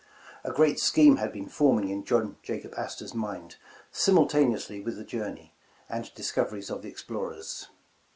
A great scheme had been forming in John Jacob Astor 's mind, simultaneously with the journey and dis coveries of the explorers.